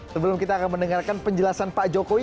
sebelum kita akan mendengarkan penjelasan pak jokowi